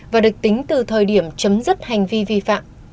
và được tính từ thời điểm chấm dứt hành vi vi phạm